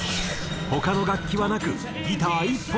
他の楽器はなくギター１本での演奏。